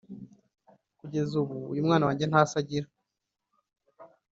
kugeza ubu uyu mwana wanjye nta se agira